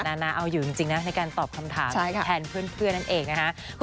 นานาเอาอยู่จริงนะในการตอบคำถามแทนเพื่อนนั่นเองนะคะ